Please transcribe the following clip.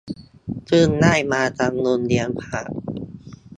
ซึ่งได้มาทำบุญเลี้ยงพระ